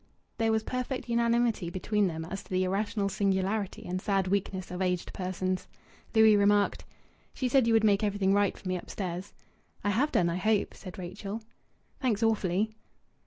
There was perfect unanimity between them as to the irrational singularity and sad weakness of aged persons. Louis remarked "She said you would make everything right for me upstairs." "I have done I hope," said Rachel. "Thanks awfully!"